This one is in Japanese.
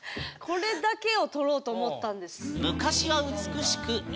これだけを取ろうと思ったんです。